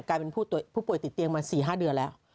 กลายเป็นผู้ป่วยติดเตียงมา๔๕เดือนแล้ว